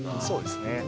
そうですね。